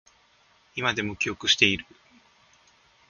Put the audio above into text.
今でも記憶している